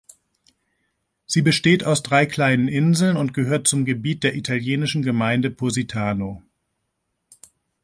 Sie besteht aus drei kleinen Inseln und gehört zum Gebiet der italienischen Gemeinde Positano.